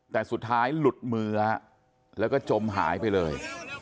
แต่สุดท้ายหลุดมือฮะแล้วก็จมหายไปเลย